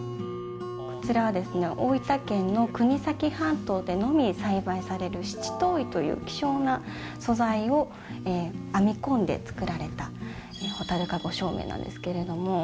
こちらは大分県の国東半島でのみ栽培される七島蘭という希少な素材を編み込んで作られた蛍かご照明なんですけども。